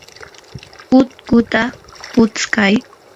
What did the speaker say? utkuta putskay.